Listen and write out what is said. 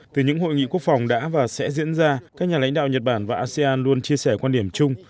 từ những hội nghị quốc phòng đã và sẽ diễn ra các nhà lãnh đạo nhật bản và asean luôn chia sẻ quan điểm chung